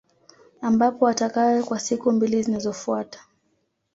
Ambapo atakaa kwa siku mbili zinazofuata